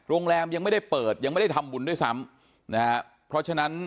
โรงแรมยังไม่ได้เปิดยังไม่ได้ทำบุญด้วยซ้ำนะฮะเพราะฉะนั้น